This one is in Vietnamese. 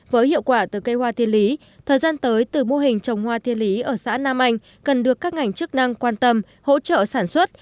với hiệu quả từ cây hoa thiên lý thời gian tới từ mô hình trồng hoa thiên lý ở xã nam anh cần được các ngành chức năng quan tâm hỗ trợ sản xuất